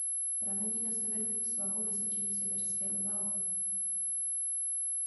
Pramení na severním svahu vysočiny Sibiřské Úvaly.